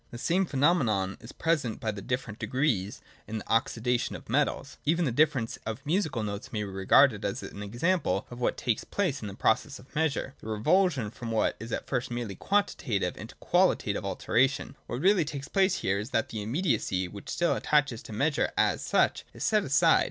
The same phenomenon is pre sented by the different degrees in the oxidation of metals. Even the difference of musical notes may be regarded as an example of what takes place in the process of measure, — the revulsion from what is at first merely quantitative into qualitative alteration. 110.] What really takes place here is that the imme diacy, which still attaches to measure as such, is set aside.